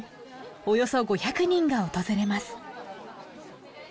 およそ５００人が訪れます。